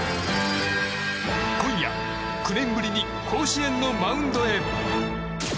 今夜、９年ぶりに甲子園のマウンドへ。